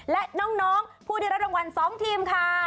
และน้องผู้ได้รับรางวัล๒ทีมค่ะ